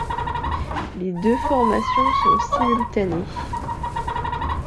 Les deux formations sont simultanées.